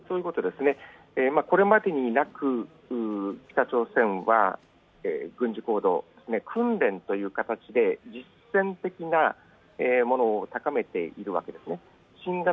これまでになく北朝鮮は軍事行動を訓練という形で実戦的なものを高めているわけです。